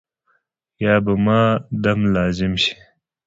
یا به په ما دم لازم شي.